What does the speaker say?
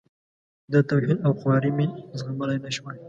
دا توهین او خواري مې زغملای نه شوای.